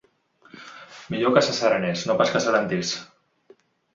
Millor que s’asserenés, no pas que s’alentís.